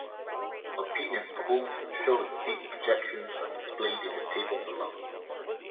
Opinion polls showing seat projections are displayed in the table below.